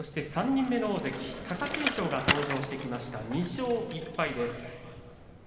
３人目の大関貴景勝が登場してきました２勝１敗です。